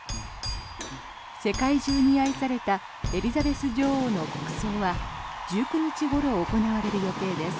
世界中に愛されたエリザベス女王の国葬は１９日ごろ行われる予定です。